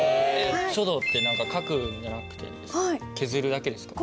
書道って書くんじゃなくて削るだけですか？